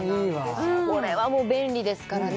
これはもう便利ですからね